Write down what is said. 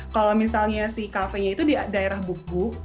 kalau misalnya si cafe nya itu di daerah bukgu